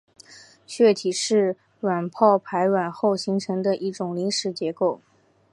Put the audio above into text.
血体是卵泡排卵后形成的一种临时结构。